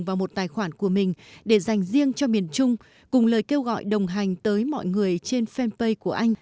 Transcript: vào một tài khoản của mình để dành riêng cho miền trung cùng lời kêu gọi đồng hành tới mọi người trên fanpage của anh